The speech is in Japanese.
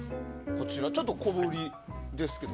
ちょっと小ぶりですけど。